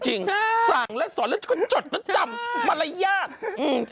จริงสั่งและสอนแล้วก็จดและจำมารยาก